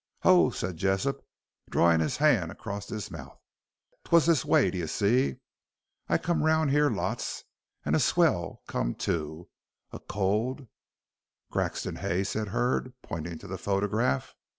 "Ho," said Jessop, drawing his hand across his mouth, "'twas this way, d'ye see. I come round here lots, and a swell come too, a cold " "Grexon Hay," said Hurd, pointing to the photograph.